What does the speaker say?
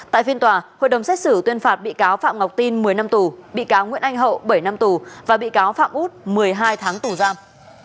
tại phiên tòa hội đồng xét xử tuyên phạt bị cáo phạm ngọc tin một mươi năm tù bị cáo nguyễn anh hậu bảy năm tù và bị cáo phạm út một mươi hai tháng tù giam